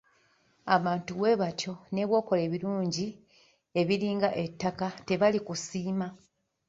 Abantu bwe batyo ne bw’okola ebirungi ebinga ettaka, tebali kusiima.